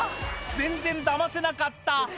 「全然ダマせなかった」